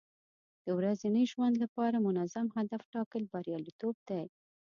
د ورځني ژوند لپاره منظم هدف ټاکل بریالیتوب دی.